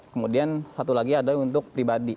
kemudian satu lagi ada untuk pribadi